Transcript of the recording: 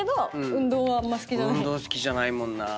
運動好きじゃないもんなぁ。